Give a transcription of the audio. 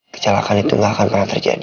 kecelakaan itu nggak akan pernah terjadi